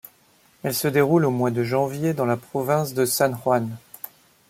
Elle se déroule au mois de janvier dans la province de San Juan.